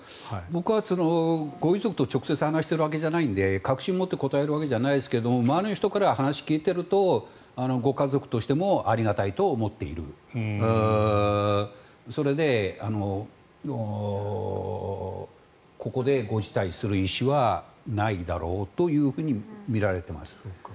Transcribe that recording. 僕はご遺族と直接話しているわけじゃないので確信を持って答えるわけじゃないですけど周りの人から聞いているとご家族としてもありがたいと思っているそれでここでご辞退する意思はないだろうというふうにみられています。